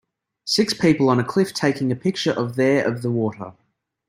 six people on a cliff taking a picture of their of the water.